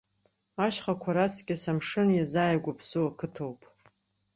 Ашьхақәа раҵкыс амшын иазааигәоу ԥсуа қыҭоуп.